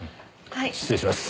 失礼します。